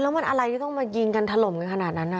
แล้วมันอะไรที่ต้องมายิงกันถล่มกันขนาดนั้น